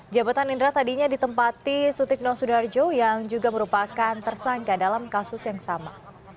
jabatan indra tadinya ditempati sutikno sudarjo yang juga merupakan tersangka dalam kasus yang sama